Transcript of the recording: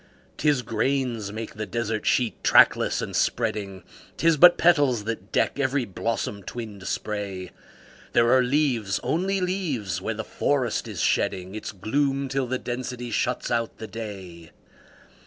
'Tis grains make the desert sheet, trackless and spreading; 'Tis but petals that deck every blossom twinned spray; There are leaves only leaves where the forest is shedding Its gloom till the density shuts out the day.